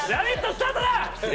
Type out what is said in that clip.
スタートだ！